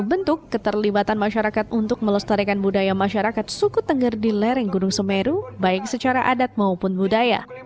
bentuk keterlibatan masyarakat untuk melestarikan budaya masyarakat suku tengger di lereng gunung semeru baik secara adat maupun budaya